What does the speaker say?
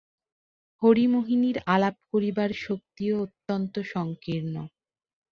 হরিমোহিনীর আলাপ করিবার শক্তিও অত্যন্ত সংকীর্ণ।